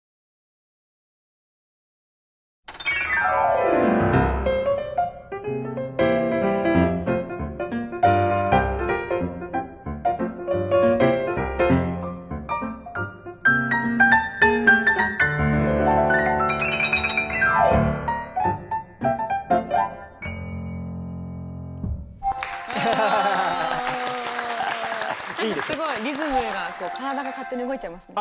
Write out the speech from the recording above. なんかすごいリズムがこう体が勝手に動いちゃいますね。